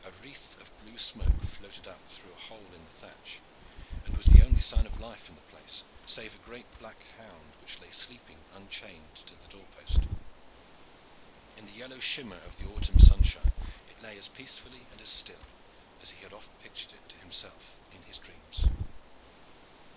A wreath of blue smoke floated up through a hole in the thatch, and was the only sign of life in the place, save a great black hound which lay sleeping chained to the door post. In the yellow shimmer of the autumn sunshine it lay as peacefully and as still as he had oft pictured it to himself in his dreams.